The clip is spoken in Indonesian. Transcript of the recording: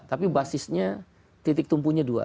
tapi basisnya titik tumpunya dua